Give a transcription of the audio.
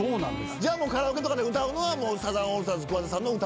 じゃあカラオケとかで歌うのはサザンオールスターズ桑田さんの歌を歌う？